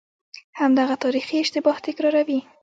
همدغه تاریخي اشتباه تکراروي.